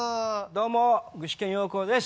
どうも具志堅用高です。